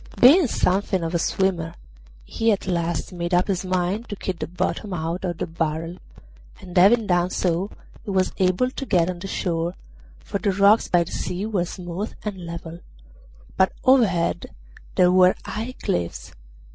Being something of a swimmer, he at last made up his mind to kick the bottom out of the barrel, and having done so he was able to get on shore, for the rocks by the sea were smooth and level; but overhead there were high cliffs.